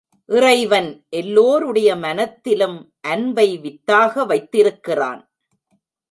இறைவன் எல்லோருடைய மனத்திலும் அன்பை வித்தாக வைத்திருக்கிறான்.